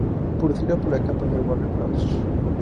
Producida por la compañía Warner Bros.